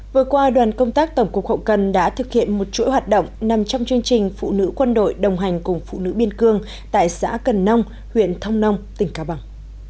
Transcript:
vừa qua đoàn công tác tổng cục hậu cần đã thực hiện một chuỗi hoạt động nằm trong chương trình phụ nữ quân đội đồng hành cùng phụ nữ biên cương tại xã cần nông huyện thông nông tỉnh cao bằng